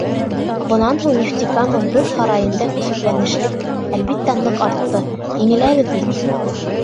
Бынан һуң Нефтекама боҙ һарайында көсөргәнешлек, әлбиттә, ныҡ артты: еңеләбеҙ бит...